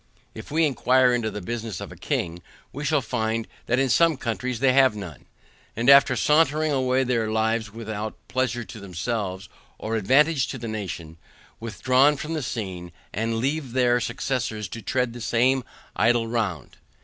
If we inquire into the business of a king, we shall find that in some countries they have none; and after sauntering away their lives without pleasure to themselves or advantage to the nation, withdraw from the scene, and leave their successors to tread the same idle round.